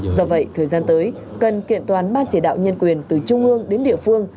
do vậy thời gian tới cần kiện toàn ban chỉ đạo nhân quyền từ trung ương đến địa phương